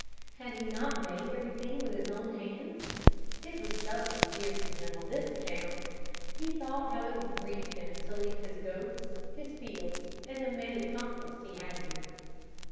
Had he not made everything with his own hands? It was doubly dear to him on this account. He thought how it would grieve him to leave his goats, his fields, and the many comforts he had here.